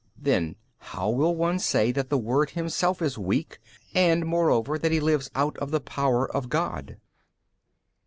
Then how will one say that the Word Himself is weak and moreover that He lives out of the power of God?